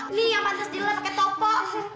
ini yang pantas dilap pake topo